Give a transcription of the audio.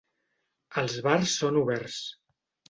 Els bars són oberts.